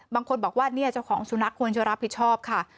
บางคนบอกว่าเนี่ยเจ้าของสุนัขควรจะรับผิดชอบค่ะ